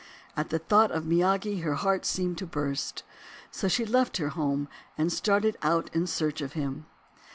At the thought of Miyagi her heart seemed to burst. So she left her home, and started out in search of him.